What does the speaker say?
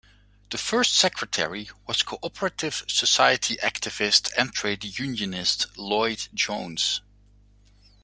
The first secretary was Cooperative Society activist and trade unionist, Lloyd Jones.